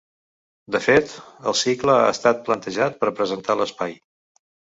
De fet, el cicle ha estat plantejat per presentar l’espai.